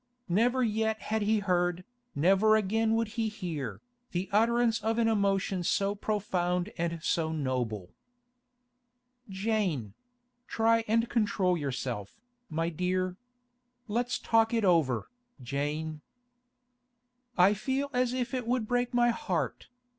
Never yet had he heard, never again would he hear, the utterance of an emotion so profound and so noble. 'Jane—try and control yourself, my dear. Let's talk it over, Jane.' 'I feel as if it would break my heart.